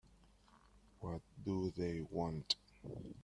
What do they want?